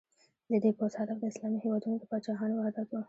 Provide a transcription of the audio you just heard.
د دې پوځ هدف د اسلامي هېوادونو د پاچاهانو وحدت و.